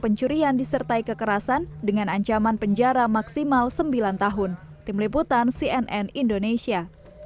pencurian disertai kekerasan dengan ancaman penjara maksimal sembilan tahun tim liputan cnn indonesia